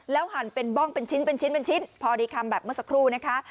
แล้วหั่นเป็นบ้องเป็นชิ้นพอดีคำแบบเมื่อสักครู่นะคะ